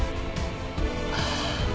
ああ！